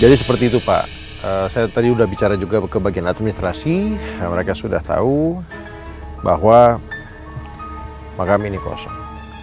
jadi seperti itu pak saya tadi udah bicara juga ke bagian administrasi mereka sudah tahu bahwa makam ini kosong